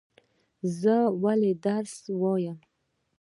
زه ولی درس وایم؟